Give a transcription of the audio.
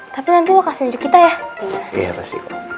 tapi nanti lo kasih nunjuk kita ya iya pasti kok